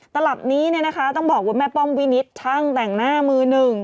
ตลอดนี้ต้องบอกว่าแม่ป้องวินิศทั้งแต่งหน้ามือนึง